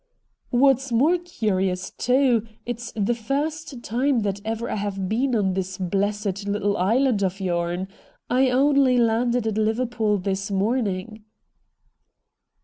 'What's more curious, too, it's the first time that ever I have been in this ble^^sed little island of yourn. I only landed at Liverpool this morning.'